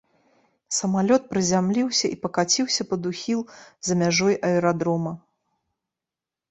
Самалёт прызямліўся і пакаціўся пад ухіл за мяжой аэрадрома.